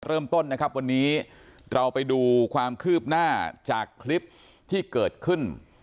เริ่มต้นนะครับวันนี้เราไปดูความคืบหน้าจากคลิปที่เกิดขึ้น